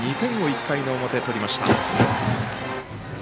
これで２点を１回の表、取りました。